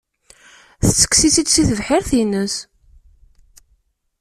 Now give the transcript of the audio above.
Tettekkes-itt-id si tebḥirt-ines.